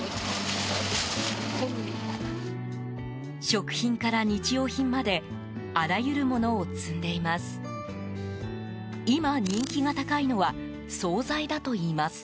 食品から日用品まであらゆるものを積んでいます。